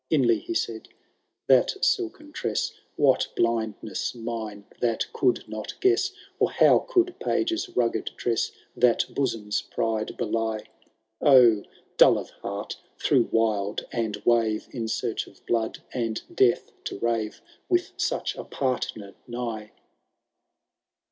Inly he said, ^ That silken tresB^— What blindness mine that could not guess ! Or how could pagers rugged dress That bosom's pride belie ? O, dull of heart, through wild and wave In search of blood and death to rave. With such a partner nigh